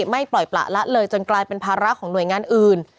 ไม่ปล่อยประละเลยจนกลายเป็นภาระของหน่วยงานอื่น